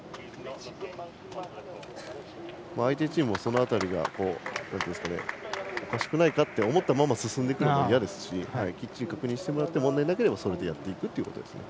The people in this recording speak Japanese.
相手チームもその辺りがおかしくないかって思ったまま進むのは嫌ですしきっちり確認してもらって問題なければそれでやっていくという。